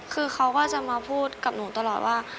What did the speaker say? คือเขาก็จะมาพูดกับหนูตลอดว่า